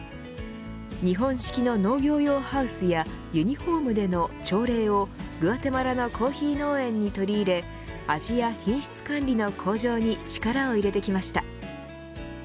日本式の農業用ハウスやユニホームでの朝礼をグアテマラのコーヒー農園に取り入れ味や品質管理の向上に力を入れてきました。